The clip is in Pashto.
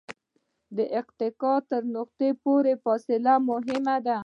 د اتکا تر نقطې پورې فاصله مهمه ده.